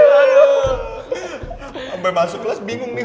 ampe masuk kelas bingung nih gue tuh